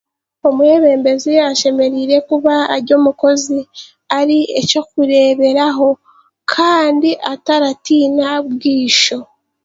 Omwebembezi ashemereire kuba ari omukozi ari ekyokureeberaho kandi ataratiina bwaisho